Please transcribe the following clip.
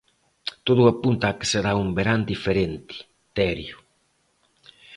Todo apunta a que será un verán diferente, Terio.